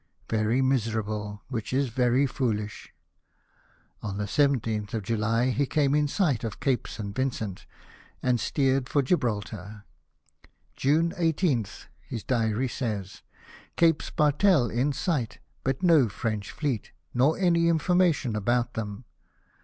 Very miserable, which is very foolish." On the l7th of July he came in sight of Cape St. Vincent, and steered for Gibraltar. — "June 18th," his diary says, " Cape Spartel in sight, but no French fleet, nor any information about them.